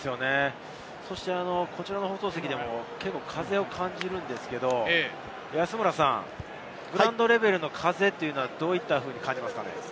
そしてこちらの放送席でも結構、風を感じるんですけれど、安村さん、グラウンドレベルの風は、どういったように感じますか？